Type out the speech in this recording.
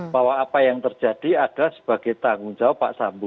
bahwa apa yang terjadi adalah sebagai tanggung jawab pak sambo